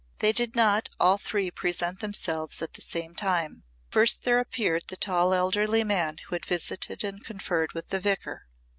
They did not all three present themselves at the same time. First there appeared the tall elderly man who had visited and conferred with the Vicar.